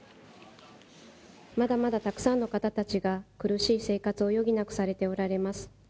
まだまだたくさんの方たちが苦しい生活を余儀なくされておられます。